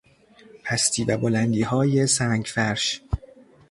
پستی و بلندیهای سنگفرش